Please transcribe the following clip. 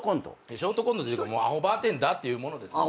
ショートコントっていうかもう「アホバーテンダー」っていうものです。